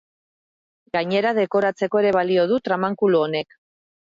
Gainera, dekoratzeko ere balio du tramankulu honek.